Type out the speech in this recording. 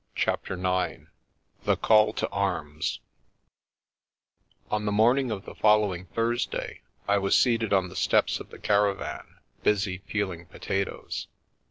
CHAPTER IX THE CALL TO ARMS ON the morning of the following Thursday, I was seated on the steps of the caravan busy peeling po tatoes.